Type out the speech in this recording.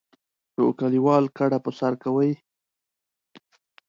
نو کلیوال کډه په سر کوي.